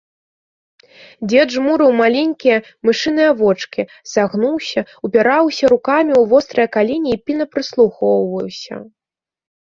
Дзед жмурыў маленькія мышыныя вочкі, сагнуўся, упіраўся рукамі ў вострыя калені і пільна прыслухоўваўся.